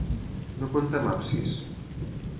No compta amb absis.